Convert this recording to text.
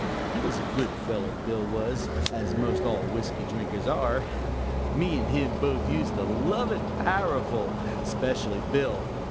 He was a good feller, Bill was, as most all whisky drinkers are. Me and him both used to love it powerful especially Bill.